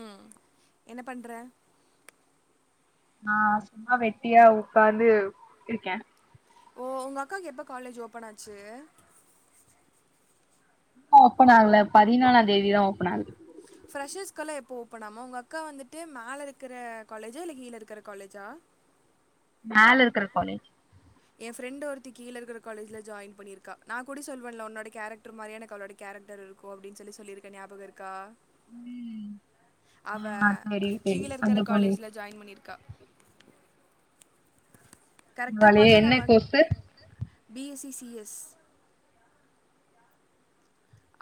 உம் என்ன பண்ற நா சும்மா வெட்டியா உட்கார்ந்து இருக்கேன் ஓ உங்க அக்காக்கு எப்ப காலேஜ் ஓபன் ஆச்சு ஒப்பனாங்கள பதினாலா தேதிதான் ஒப்பனாகுது ரெஷர்ஸ்கல்லாம் எப்போ ஓப்பனாமா உங்க அக்கா வந்துட்டு மேல இருக்கிற காலேஜா இல்ல கீழ இருக்கற காலேஜா மேல இருக்கற காலேஜ் என் ஃப்ரெண்டு ஒருத்தி கீழ இருகுற காலேஜ ஜாயின் பண்ணிருக்கா நான் கூட சொல்லன்ல உன்னோட கேரக்டர்திரிய எனக்கு அவோட கேரக்டர் இரு அப்படினு சொல்லிருக்கேன்ல நியாபகம் இருக்க அவ கீழ இருக்கிற காலேஜ்ல ஜாயின் பண்ணிருக்கா பழைய என்ன course B S E C S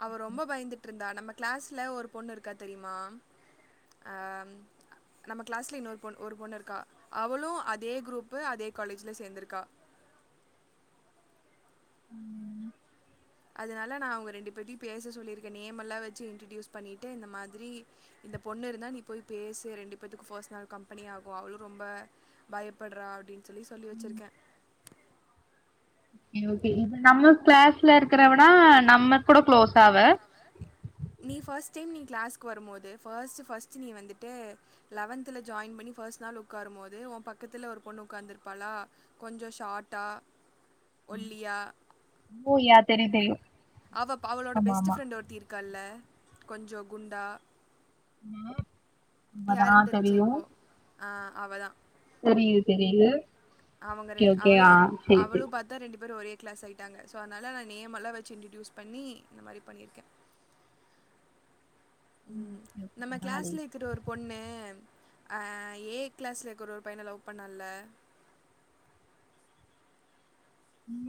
அவ ரொம்ப பயந்துட்டு இருந்தா நம்ம கிளாஸ்ல ஒரு பொண்ணு இருக்கா தெரியுமா அஹ் நம்ம கிளாஸ்ல இன்னொரு பொ ஒரு பொண்ணு இருக்கா அவளும் அதே குரூப் அதே காலேஜ்ல சேர்ந்திருக்கா உம் அதனால நான் அவங்க ரெண்டு பேத்துயையும் பேச சொல்லிருக்கேன் நேம் எல்லாம் வச்சு இன்ட்ரடியூஸ் பண்ணிட்டு இந்த மாதிரி இந்த பொண்ணு இருந்தா நீ போய் பேசு ரெண்டு பேத்துக்கும் பர்சனல் கம்பெனி ஆகும் அவ்ளவு ரொம்ப பயப்படுறா அப்படின்னு சொல்லி சொல்லி வச்சிருக்கேன் ஓக இப்ப நம்ம கிளாஸ்ல இருக்கிறவனா நம்ம கூட கு்ளோஸ் ஆாவ நீ ஃபர்ஸ்ட் டைம் நீ கிளாஸ்கு வரும்போது ஃபர்ஸ்ட்டு ஃபர்ஸ்ட்டு நீ வந்துட்டு லெவன்த்தில் ஜாயின் பண்ணி ஃபர்ஸ்ட் நாள் உட்காரும் போது உன் பக்கத்தில் ஒரு பொண்ணு உட்காந்துருப்பாலா கொஞ்சம் ஷார்ட்டா ஒல்லியா ஓ யா தெரியு தெரியு அவ அவளோட பெஸ்ட் ஃப்ரெண்ட் ஒருத்தி இருக்காள்ல்ல கொஞ்சம் குண்டா [unintelligible] உன் தான் தெரியும் ஆஹ் அவதான் தெரியுது தெரிது அவங்க ரெண்டு அவளும் அவளும் பார்த்தா ரெண்டு பேரும் ஒரே கிளாஸ் ஆகிட்டாங்க ஸோ அதனால் நான் நேமெல்லாம் வச்சு இன்ட்ரடியூஸ் பண்ணி இந்த மாரி பண்ணியிருக்கேன் உம் நம்ம கிளாஸ்ல இருக்குற ஒரு பொண்ணு அஹ் ஏ கிளாஸ்ல இருக்குற ஒரு பையன லவ் பண்ணல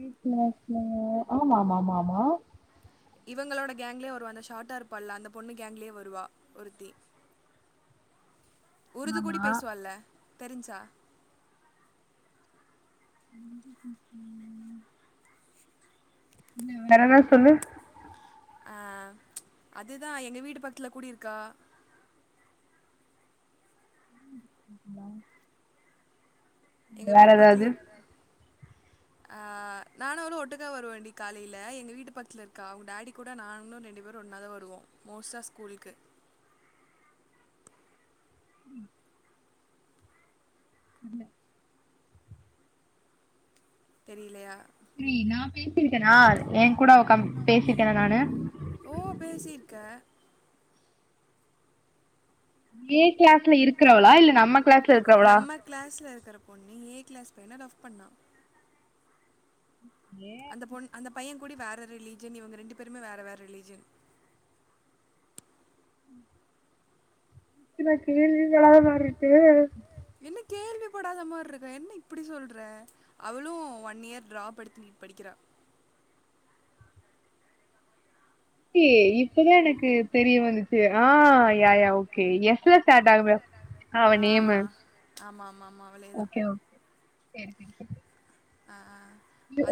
என் கிளாஸ்ல ஆமா ஆமா ஆமா ஆமா இவங்களோட கேங்லயே வருவா அந்த ஷார்டர் பல அந்த பொண்ணு கேங்லேயே வருவா ஒருத்தி உருது கூடி பேசுவால தெரிஞ்சா உம் வேற என்ன சொல்லு அஹ் அதுதான் எங்க வீடு பக்கல கூடி இருக்கா ஹ எங்க வீடு பக்ல இரு ஆஹ் நானும் ஒரு ஒட்டுக்கா வருவவேன்ண்டடி காலையில எங்க வீட்டு பக்கத்துல இருக்கா அவங்க டாடி கூட நானும் ரெண்டு பேரும் ஒன்னாதான் வருவோம் மோஸ்டா ஸ்கூலுக்கு இல்ல தெரியலையா ஏய் நான் பேசிருக்கேனா என் கூட உக்கா பேசிருக்கேனா நானு ஓ பேசிருக்க ஏ கிளாஸ்ல இருக்கு இருக்கிறவளா இல்ல நம்ம கிளாஸ்ல இருக்கிறவளா பொண்ணு ஏ கிளாஸ் பையனா லவ் பண்ணா அந்த பொண் அந்த பையன் கூடி வேற ரிலிஜன் இவங்க ரெண்டு பேருமே வேற வேற ரிலிஜன் என்ன கேள்விப்படாத மாரி இருக்கு என்ன கேள்வி படாத மாரி இருக்க என்ன இப்படி சொல்ற அவளும் ஒன் இயர் டிரப் எடுத்துநீட்படிக்கிறா ஏய் இப்தான் எனக்கு தெரியும் வந்துச்சு ஆஹ்யயா ஓகே எஸ்ல ஸ்ட்டார்ட் ஆகுா அவ நேம் ஆமாாம் ஆமா அவேலதா செரி செரி ஆ ஆ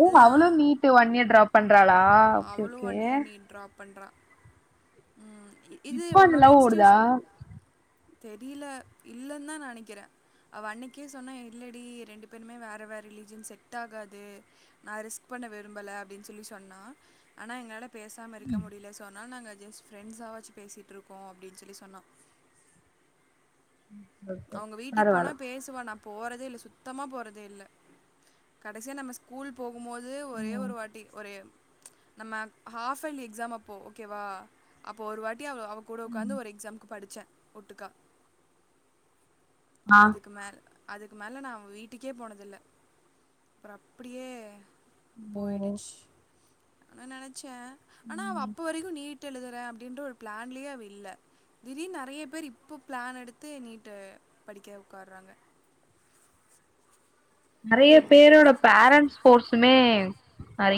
ஓ அவ்ளோ நீட்டு ஒன் இயர் ட்ராப் பண்றாளா ஓகே ஓகே பன்றா இப்போ அந்த லவ் ஓடுதா தெரியல இல்லன்னு தான் நான் நினைக்கிறேன் அவ அன்னைக்கே சொன்னே இல்லடி ரெண்டு பேருமே வேறு வேறு ரிலீஜன் செட் ட்டாகது நான் ரிஸ் பணவிரும்பல சொல்லி சொன்னா ஆனா எங்கலல பேசாம இருக்க முடியல சொன்ன நா ஜஸ்ட் பிரண்ட்ஸ்ச்சு பேசிட்டு இருக்கோம் அப்டின்னு சொல்லி சொன்னாம் அவங்க வீட்டுக்கு போனா பேசுவான் ப் போறதே இல்ல சுத்தமா போறதே இல்லகடைசியா நம்ம ஸ்கூல் போ போகும்போது ஒரே ஒரு வாட்டி ஒரே நம்ம ஹாப்பலி எக்ஸாம் அப்போ ஓகேவா அப்போ ஒரு வாட்டி டடி அவ கூட உட்கந்து ஒரு எக்ஸாம்க்கு படிச்சேன் உட்டுகா அதுக்கு மேல அதுக்கு மேல நான் வீட்டுக்கே போனதல்லஅப்புறம் அப்படியே போயிடுச்சு அன ந [inaudible] ஆனா அவ அப்ப வரைக்கும் நீட் எழுதுறன் அப்டினுட்டு ஒரு பிளான்லயே அவ இல்ல திடீ நெறைய பேர் இப்போ பிளான் எடுத்து நீட்டு படிக்க உட்காறங்க நெறைய பேரோட பேரண்ஸ் போர்ஸுமே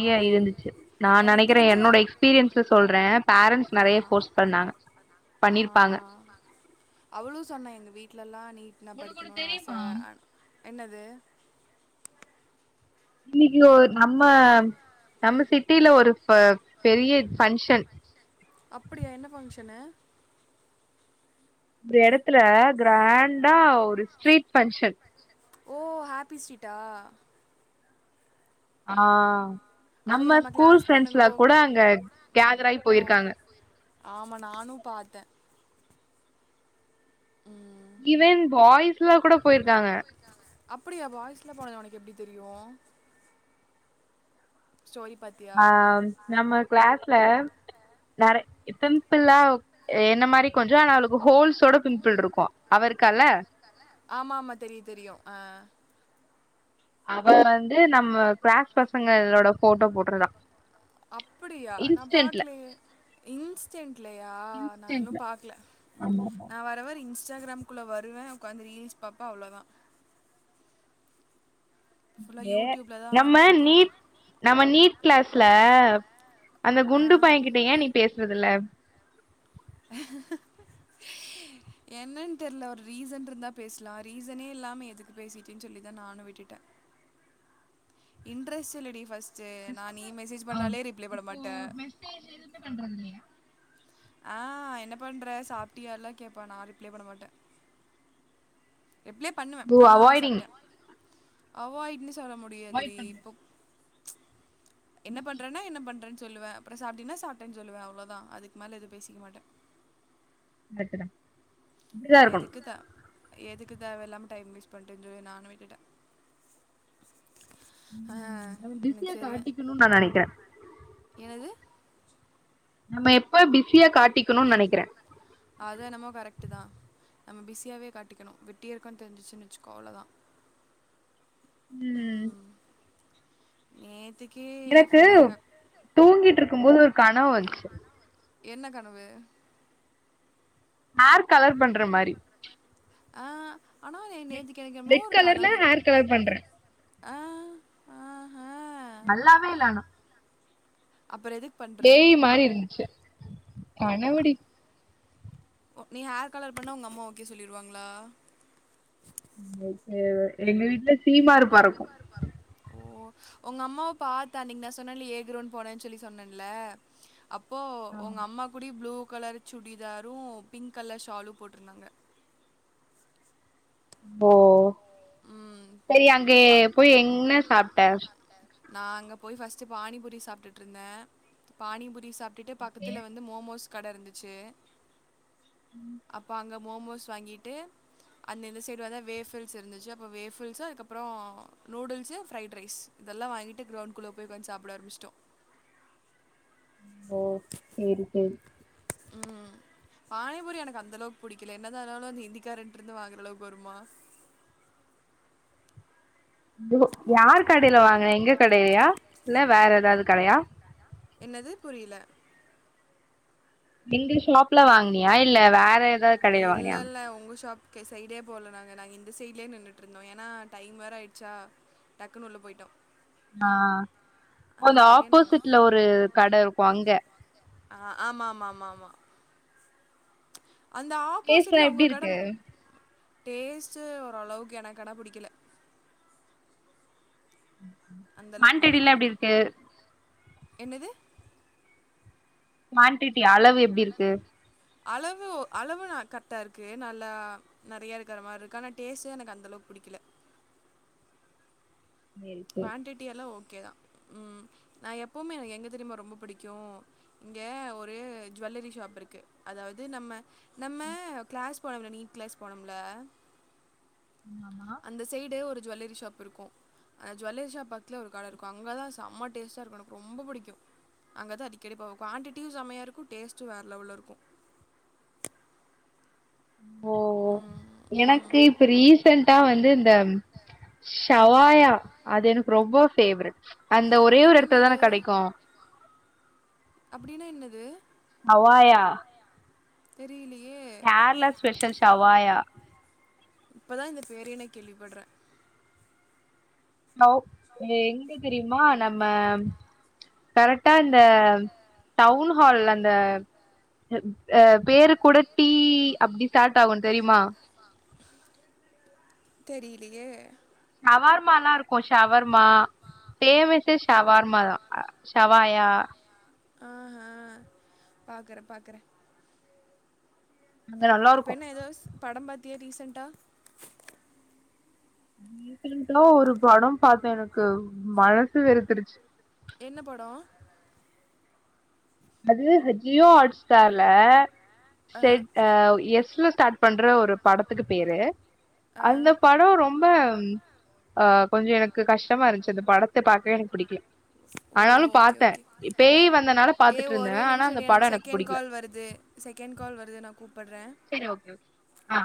ஆமா எனக்கு தெரிஞ்ச ஆஹ் ஆஹ் அவளும் சொன்னேன் எங்க வீட்ல எல்லாம் நீட்னா படிக்கணும்னு ஆசை என்னது இன்னைக்கு ஒரு நம்ம நம்ம சிட்டில ஒரு பா பெரிய பங்க்ஷன் அப்புடியா என்ன பங்க்ஷனு இந்த இடத்துல கிராண்டா ஒரு ஸ்ட்ரீட் பங்க்ஷன் ஓ ஹாப்பி ஸ்ட்ரீட்டா ஆஹ் நம்ம ஸ்கூல் ஃப்ரெண்ட்ஸ்ல கூட அங்க கேதர் ஆயி போயிருக்காங்க ஆமா நானும் பாத்தே உஹம் இவென் வாய்ஸ்ல கூட போயிருக்காங்க அப்புடியா வாய்ஸ்ல போனது உனக்கு எப்புடி தெரியு ஆஹ் நம்ம கிளாஸ்ல நெறைய பிம்பிளா என்ன மாரி கொஞ்சம் ஆனா அவளுக்கு ஹோல்ஸோட பிம்பிள் இருக்கு அவருக்கால்ல ஆமா ஆமா தெரியு தெரியு அஹ் அவ வந்து நம்ம கிளாஸ் பசங்களோட போட்டோ போட்ருதா அப்புடியா நான் பாக்குலேயே இன்ஸ்டன்ட்லையா நான் இன்னும் பாக்கல நான் வர வர இன்ஸ்ட் இன்ஸ்டாகிரம்குள்ள வருவே உக்காந்து ரீல்ஸ் பாப்பே அவ்வளோதான் ஏ நம்ம நீட் நம்ம நீட் கிளாஸ்ல அந்த குண்டு பைய கிட்ட ஏ நீ பேசுறதில்ல என்னன்னு தெர்ல ஒரு ரீசன் இருந்தா பேசலாம் ரீசனே இல்லாம எதுக்கு பேசிட்டுன்னு சொல்லிதான் நானும் விட்டுட்டேன் இன்்ரெ்ட சல்டி ஃபஸ்ட் இப்போ மெசேஜ் எதுவுமே பண்றது இல்லையா ஆஹ் என்ன பண்ற சாப்புட்டியா ல்லாம் கேட்பே நான் ரிப்ளே பண்ண மாட்டேன் ரிப்ளே பண்ணுவேன் ஆஹ் சாப்ட்டேன் ஆவா இங்கிலிஷ் சொல்ல முடியாதுடி இப்போ என்ன பண்றன்னா என்ன பண்றன் சொல்லுவேன் அப்புறம் சாப்பிட்டனா சாப்பிட்டேன்னு சொல்லுவேன் அவ்வளோதான் அதுக்கு மேல எது பேசிக்க மாட்டேன் அக்குற எதுக்குதா எதுக்கு தேவ இல்லாம டைம் வேஸ்ட் பண்ணேந்து நானும் விட்டுட்டேன் பிசியா காட்டிக்கணும்னு நா நெனைக்கிறேன் என்னது நம்ம எப்ப பிஸிய காட்டிக்கணும்னு நெனைக்கிறேன் கரெக்ட் தான் நம்ம பிஸியாவே காட்டிக்கணும் வெட்டிய இருக்கோனு தெரிஞ்சுச்சுனு வச்சுக்கோ அவ்வளோதா உஹம் எதுக் எனக்கு தூங்கிட்டு இருக் இருக்கும் போது ஒரு கனவு வன்ச்சு என்ன கனவு ஹேர் கலர் பண்ற மாரி ஆ நெட் ரெட் கலர்ல ஹேர் கலர் பண்றேன் நல்லாவே இல்லா ஆனா பேய் மாறி இருந்துச்சு கனவுடி நீ ஹேர் கலர் பண்ண உங்க அம்மா ஓகே சொல்லிடுவாங்களா எங்க வீட்ல சீமார் பரு ஓ உங்க அம்மாவ பாத்தா அன்னக்கு நான் சொன்னேல ஏ க்கரூன்டு போனேன்னு சொல்லி சொன்னேல அப்போ உங்க அம்மாகூடி ப்ளூ கலர் சுடிதாரும் பிங்க் கலர் ஷாலும் போட்ருந்தாங்க ஓ சரி அங்க போய் என்ன சாப்ட்ட நான அங்கே போய் ஃபஸ்ட்டு பானிபுரி சாப்டுட்டுயிருந்தேன் பானிபுரி சாப்டு ட்டு பக்கதுல வந்து மோமோஸ் கட இருந்துச்சு அப்ப அங்க மோமோஸ் வாங்கிட்டு அந்தந்த சைடு வந்த வேஃபல்ஸ் இருந்துசா வேஃபுல்ஸு அதுகபறோம் நூடுல்ஸு ஃப்ரைட் ரைஸ் இதெல்லாம் வாங்கிட்டு க்ரவுண்ட குழபோய்உட்காந்து சாப்பிட ஆரம்பிச்சிட்டோம் ஓ செரி செரி ம் பானிபுரி எனக்கு அந்த அளவுக்கு புடிக்கல என்னதாஆனாலும் அந்த இந்திக்காரன்டாயிருந்து வாங்குற அளவுக்கு வரும ஒ யார் கடயில வாங்ன எங்க கடயிலயா இல்ல வேறஏதாவது கடயா என்னது புரியல எங்க ஷாப்ல வாங் னியா இல்ல வேற ஏதாவது கடயில வாங்கினியா ஓகே சைடே போகல நாங்கள் நாங்கள் இந்த சைலே நின்னுட்டுருந்தோம் ஏன்னா டைம் வேர ஆயிடுசா டக்குனு உள்ள போயிட்டோம் ஆ அந்த ஆப்போசிட்ல ஒரு கடயிருக்கும் அங்க ஆ ஆமா ஆமா ஆமா ஆமா அந்த ஆப்போசிட்ல உங்க கட ம் டேஸ்ட் ஓரளவுக்கு எனக்ஆனா புடிக்கல மண்டடிலாம் எப்டி இருக்கு என்னது குவான்டிட்டி அளவு எப்டி இருக்கு அளவு அளவு நான் கரெக்டா இருக்கு நல்லா நிறையா இருக்கிற மாரி இருக்கு ஆனா டேஸ்ட்ட எனக்கு அந்த அளவுக்கு பிடிக்கல குவான்டிட்டி எல்லாம் ஓக கே தா உம் நான் எப்பவுமே எனக்கு எங்க தெரியும ரொம்ப பிடிக்கும் இங்க ஒரு ஜுவல்லரி ஷாப் இருக்கு அதாவது நம்ம நம்ம கிளாஸ் போனம்ல நீட் கிளாஸ் போனம்ல அந்த சைடு ஒரு ஜுவல்லரி ஷாப் இருக்கும் அந்த ஜுவல்லரி ஷாப் பத்துல ஒரு கடை இருக்கும் அங்கே தான் செம்மா டேஸ்ட்டாக இருக்கும் எனக்கு ரொம்ப பிடிக்கும் அங்கே தான் அதுக்கேடிப்ப குவான்டிட்டியும் செம்மையா இருக்கும் டேஸ்ட்டும் வேற லெவல இருக்கும் ஓ எனக்கு இப்ப ரீசன்டா வந்து இந்த ஷ்வாயா அது எனக்கு ரொம்ப பேவரெட் அந்த ஒரே ஒரு இடத்துலதான கடைக்கும் அப்படின்னா என்னது அவாயா தெரியலையே கேரளா ஸ்பெஷல் ஷவ்வாயா இப்பதான் இந்த பேரியே நா கேள்விப்படுறேன் [unintelligible] எங்க தெரியுமா நம்ம கரெக்டா இந்த டவுன் ஹால் அந்த அஹ பேரு கூட டி அப்படி ஸ்டார்ட் ஆகும் தெரியுமா தெரியலையே ஷவார்ம எாலாம் இருக்கும் ஷவர்மா பேமஸ ஷவார் மா தான் ஷ்வாயா ஆஹ்ஹ பாக்குறேன் பாக்குறேன் அங்க நல்லா இருக்கும் படம் பாார்த்தியா ரீசென்ட்டா க்கழலாம் ஒரு படம் பார்த்தேன் எனக்கு மனசு வெறுத்துருச்சு என்ன படம் அது ஹ ஜியோ ஹாட் ஸ்டார்ல செட் அஹ் எஸ்ல ஸ்டார்ட் பண்ற ஒரு பாடத்தை க்கு பேரு அந்த படம் ரொம்ப ஹ கொஞ்சம் எனக்கு கஷ்டமா இருந்துச்சு அந்த படத்தை பார்க்கவே எனக்கு பிடிக்கல ஆனாலும் பார்த்தேன் பேய் வந்தனால ஏ ஒரேநிமிஷம் நீ எனக்கு செகண்ட் கால் வருது செகண்ட் கால் வருது நா சரி ஓகே ஓகே ஆ